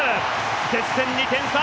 接戦、２点差。